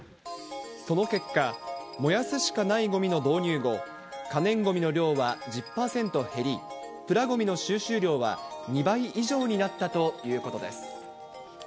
その結果、燃やすしかないごみの導入後、可燃ごみの量は１０％減り、プラごみの収集量は２倍以上になったということです。